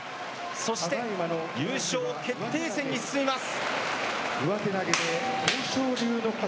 そして、優勝決定戦に進みます。